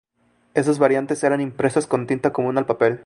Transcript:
Esas variantes eran impresas con tinta común al papel.